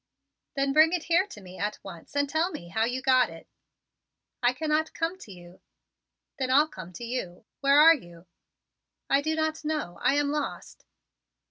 "Then bring it here to me at once and tell me how you got it." "I cannot come to you." "Then I'll come to you. Where are you?" "I do not know. I am lost."